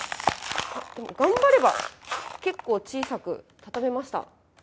頑張れば、結構小さく畳めました。